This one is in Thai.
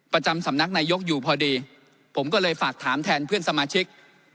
ประจำสำนักนายกอยู่พอดีผมก็เลยฝากถามแทนเพื่อนสมาชิก